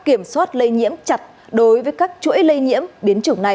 kiểm soát lây nhiễm chặt đối với các chuỗi lây nhiễm biến chủng này